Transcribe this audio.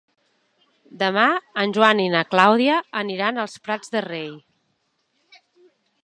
Demà en Joan i na Clàudia aniran als Prats de Rei.